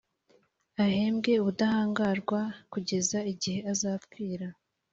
ahembwe ubudahangarwa kugeza igihe azapfira